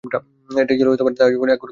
এটাই ছিল তার জীবনের এক গুরুত্বপূর্ণ মোড়।